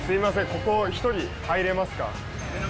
ここ１人入れますか？